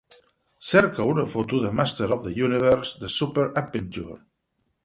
Cerca una foto de Masters of the Universe: The Super Adventure